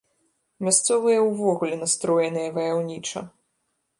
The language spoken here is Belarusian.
Мясцовыя ўвогуле настроеныя ваяўніча.